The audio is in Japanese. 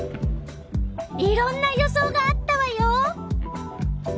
いろんな予想があったわよ。